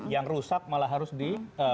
yang rusak malah harus di